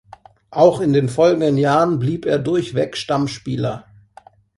Auch in den folgenden Jahren blieb er durchweg Stammspieler.